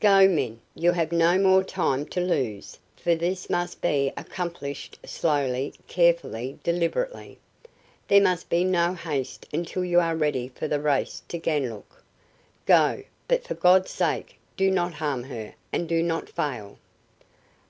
Go, men; you have no more time to lose, for this must be accomplished slowly, carefully, deliberately. There must be no haste until you are ready for the race to Ganlook. Go, but for God's sake, do not harm her! And do not fail!"